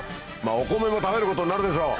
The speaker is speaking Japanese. お米も食べることになるでしょう